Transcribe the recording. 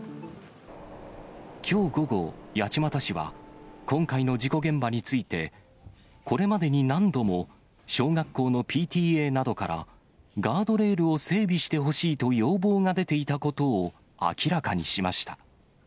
きょう午後、八街市は今回の事故現場について、これまでに何度も、小学校のＰＴＡなどから、ガードレールを整備してほしいと要望が出ていたことを明らかにしました。